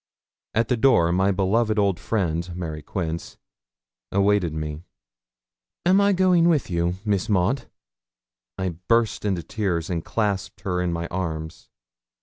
At the door my beloved old friend, Mary Quince, awaited me. 'Am I going with you, Miss Maud?' I burst into tears and clasped her in my arms.